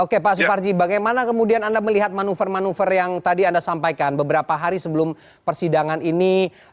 oke pak suparji bagaimana kemudian anda melihat manuver manuver yang tadi anda sampaikan beberapa hari sebelum persidangan ini